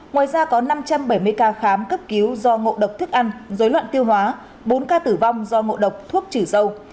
ngoài ra có năm trăm bảy mươi ca khám cấp cứu do ngộ độc thức ăn dối loạn tiêu hóa bốn ca tử vong do ngộ độc thuốc trừ sâu